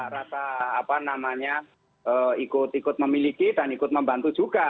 rasa apa namanya ikut ikut memiliki dan ikut membantu juga